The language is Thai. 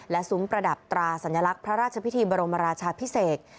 ซุ้มประดับตราสัญลักษณ์พระราชพิธีบรมราชาพิเศษ